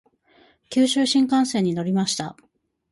九州新幹線に乗りました。